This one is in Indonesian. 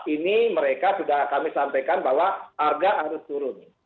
ini mereka sudah kami sampaikan bahwa harga harus turun